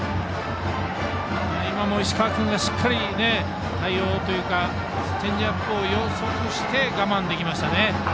今も石川君がしっかりと、対応というかチェンジアップを予測して我慢できましたね。